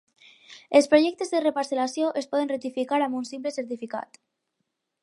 Els projectes de reparcel·lació es poden rectificar amb un simple certificat.